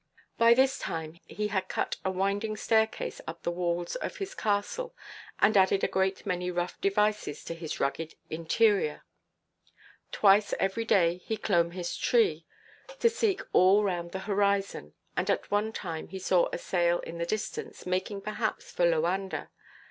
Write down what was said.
By this time, he had cut a winding staircase up the walls of his castle, and added a great many rough devices to his rugged interior. Twice every day he clomb his tree, to seek all round the horizon; and at one time he saw a sail in the distance, making perhaps for Loanda.